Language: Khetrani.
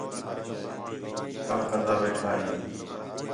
کم کندا ویٹھا ہیں